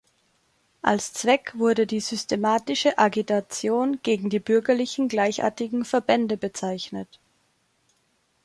Als Zweck wurde die „systematische Agitation gegen die bürgerlichen gleichartigen Verbände“ bezeichnet.